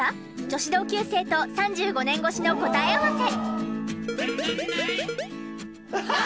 女子同級生と３５年越しの答え合わせ。